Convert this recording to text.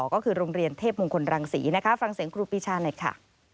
ก็คือโรงเรียนเทพมงคลรังศรีนะคะฟังเสียงครูปีชาหน่อยค่ะ